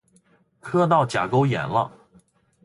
磕到甲沟炎了！